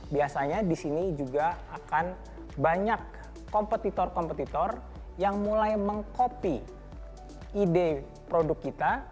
biasanya di sini juga akan banyak kompetitor kompetitor yang mulai meng copy ide produk kita